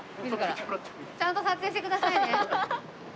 ちゃんと撮影してくださいね。